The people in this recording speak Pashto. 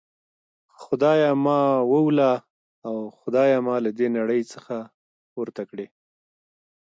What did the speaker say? خدایه ما ووله او خدایه ما له دي نړۍ څخه پورته کړي.